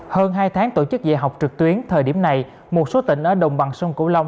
hơn hai tháng tổ chức dạy học trực tuyến thời điểm này một số tỉnh ở đồng bằng sông cửu long